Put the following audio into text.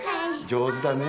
上手だね。